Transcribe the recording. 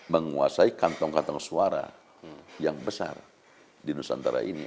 menguasai kantong kantong suara yang besar di nusantara ini